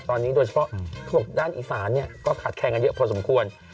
ตอนนี้โดยเฉพาะเขาบอกด้านอีสานเนี่ยก็ขาดแคลนกันเยอะพอสมควร